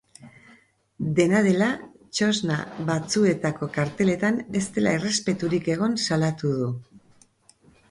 Dena dela, txosna batzuetako karteletan ez dela errespeturik egon salatu du.